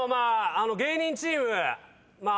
芸人チームまあ